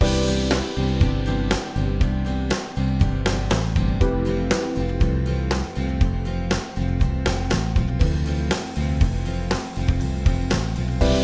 thank you atau kurang haha